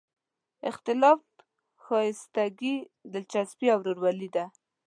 اختلاف ښایستګي، دلچسپي او ورورولي ده.